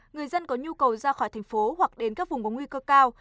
người dân có nhu cầu ra khỏi thành phố hoặc đến các vùng có nguy cơ cao